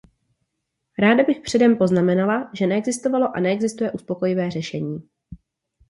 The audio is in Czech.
Ráda bych předem poznamenala, že neexistovalo a neexistuje uspokojivé řešení.